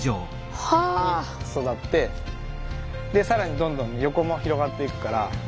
はあ。に育ってさらにどんどん横も広がっていくから。